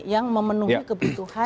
yang memenuhi kebutuhan